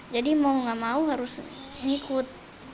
jadi mau nggak mau harus ngikut